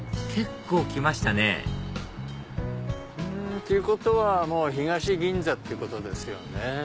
結構来ましたねっていうことはもう東銀座ってことですよね。